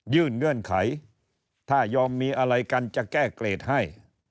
เงื่อนไขถ้ายอมมีอะไรกันจะแก้เกรดให้